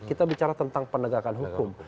kita bicara tentang penegakan hukum